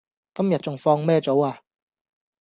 今日仲放咩早呀